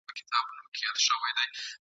ته ښکلی یوسف یې لا په مصر کي بازار لرې !.